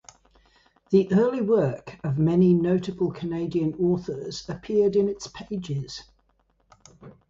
The early work of many notable Canadian authors appeared in its pages.